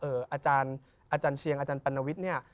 อาจารย์เชียงอาจารย์ปัณวิทย์เนี่ย